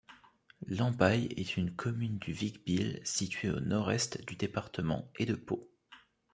Lembeye est une commune du Vic-Bilh, située au nord-est du département et de Pau.